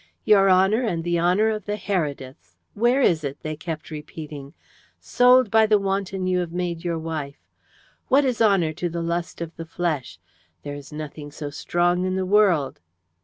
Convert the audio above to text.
'Your honour and the honour of the Herediths Where is it?' they kept repeating: 'Sold by the wanton you have made your wife. What is honour to the lust of the flesh? There is nothing so strong in the world.'